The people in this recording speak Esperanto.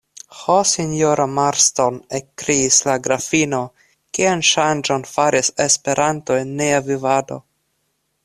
Ho, sinjoro Marston, ekkriis la grafino, kian ŝanĝon faris Esperanto en nia vivado!